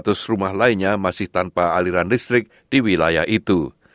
dan tiga lima ratus rumah lainnya masih tanpa aliran listrik di wilayah itu